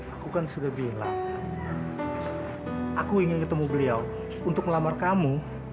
aku kan sudah bilang aku ingin ketemu beliau untuk melamar kamu